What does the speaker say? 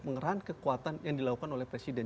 pengerahan kekuatan yang dilakukan oleh presiden